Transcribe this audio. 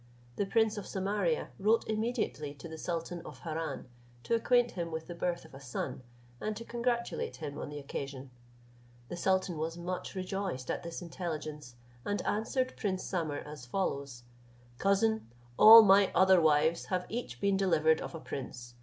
The prince of Samaria wrote immediately to the sultan of Harran, to acquaint him with the birth of a son, and to congratulate him on the occasion. The sultan was much rejoiced at this intelligence, and answered prince Samer as follows: "Cousin, all my other wives have each been delivered of a prince.